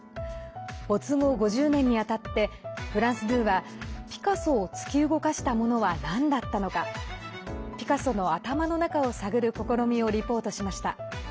没後５０年にあたってフランス２はピカソを突き動かしたものはなんだったのかピカソの頭の中を探る試みをリポートしました。